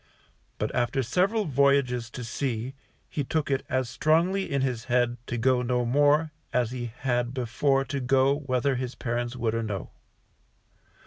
But after several voyages to sea, he took it as strongly in his head to go no more as he had before to go, whether his parents would or no.